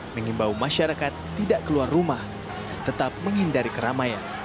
mengimbau masyarakat tidak keluar rumah tetap menghindari keramaian